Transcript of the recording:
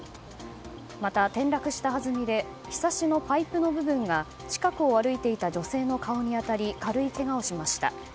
また、転落したはずみでひさしのパイプの部分が近くを歩いていた女性の顔に当たり、軽いけがをしました。